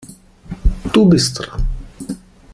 Du bist dran.